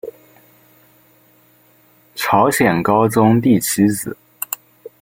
朝鲜高宗第七子。